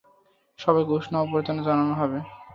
সবাইকে উষ্ণ অভ্যর্থনা জানানো হবে।